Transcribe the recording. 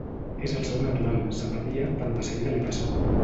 És el seu natural: s'enrabia, però de seguida li passa.